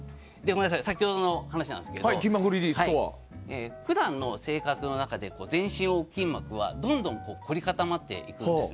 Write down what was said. ごめんなさい先ほどの話なんですけど普段の生活の中で全身を覆う筋肉とはどんどんと凝り固まっていくんです。